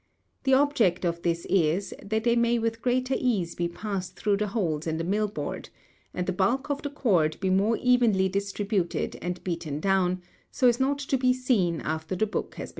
The object of this is, that they may with greater ease be passed through the holes in the mill board, and the bulk of the cord be more evenly distributed and beaten down, so as not to be seen after the book has been covered.